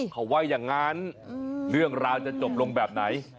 เขาว่าอย่างนั้นเรื่องราวจะจบลงแบบไหน